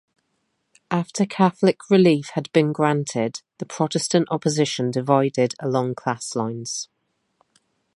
After Catholic relief had been granted, the Protestant opposition divided along class lines.